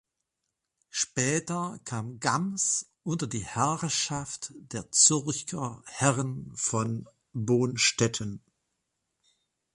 Später kam Gams unter die Herrschaft der Zürcher Herren von Bonstetten.